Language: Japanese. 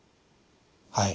はい。